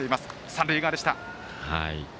三塁側でした。